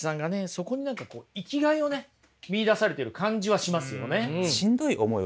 そこに何か生きがいをね見いだされてる感じはしますよね。